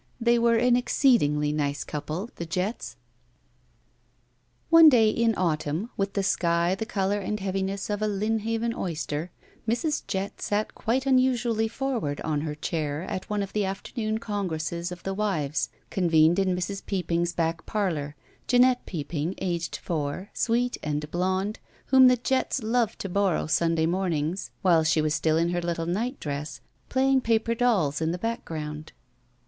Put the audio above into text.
They were an exceedingly nice couple, the Jetts. One day in autumn, with the sky the color and heaviness of a Lynnhaven oyster, Mrs. Jett sat quite unusually forward on her chair at one of the afternoon congresses of the wives, convened in Mrs. Peopping's back parlor, Jeanette Peopping, aged four, sweet and blond, whom the Jetts loved to borrow Sunday mornings, while she was still in 189 GUILTY her little nightdress, playing paper dolls in the background.